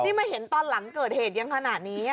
นี่มาเห็นตอนหลังเกิดเหตุยังขนาดนี้